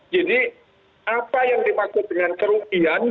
jadi apa yang dimaksud dengan kerugian